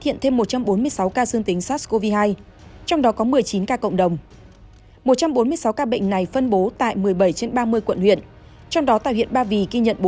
hiện nay trên địa bàn thành phố hà nội